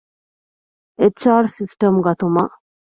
އެޗް.އާރް ސިސްޓަމް ގަތުމަށް